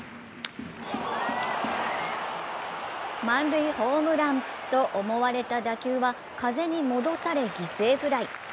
満塁ホームランと思われた打球は風に戻され犠牲フライ。